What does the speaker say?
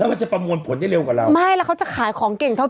มันจะประมวลผลได้เร็วกว่าเราไม่แล้วเขาจะขายของเก่งเท่า